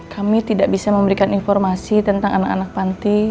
kami tidak bisa memberikan informasi tentang anak anak panti